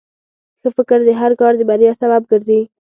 ښه فکر د هر کار د بریا سبب ګرځي.